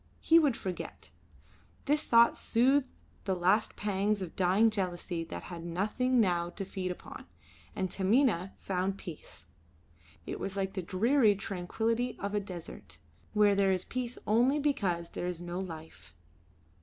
He would forget. This thought soothed the last pangs of dying jealousy that had nothing now to feed upon, and Taminah found peace. It was like the dreary tranquillity of a desert, where there is peace only because there is no life.